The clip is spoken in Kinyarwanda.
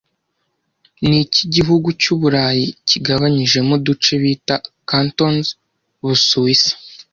Niki gihugu cyu Burayi kigabanyijemo uduce bita Cantons Busuwisi